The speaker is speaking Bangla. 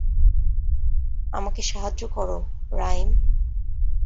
আমাকে সাহায্য করো, রাইম।